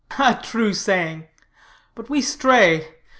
"A true saying. But we stray.